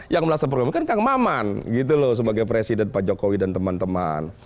yang melaksanakan program pemerintah kan pak khamaman sebagai presiden pak jokowi dan teman teman